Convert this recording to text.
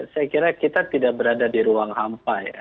saya kira kita tidak berada di ruang hampa ya